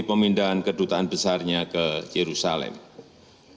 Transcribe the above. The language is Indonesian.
pemindahan kedutaan besar amerika serikat ke yerusalem ini tidak akan berhasil